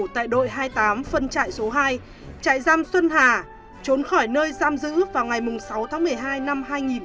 tại đội hai mươi tám phân trại số hai trại giam xuân hà trốn khỏi nơi giam giữ vào ngày sáu tháng một mươi hai năm hai nghìn một mươi ba